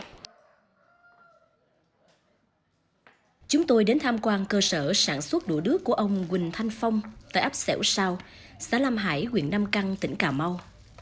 chúng tôi đến tham quan cơ sở sản xuất đũa đứt của ông quỳnh thanh phong tại ấp xẻo sao xã lam hải quyền nam căng tỉnh cà mau